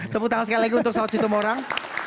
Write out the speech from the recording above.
tepuk tangan sekali lagi untuk sahut sitomorang